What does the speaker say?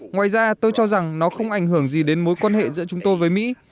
ngoài ra tôi cho rằng nó không ảnh hưởng gì đến mối quan hệ giữa chúng tôi với mỹ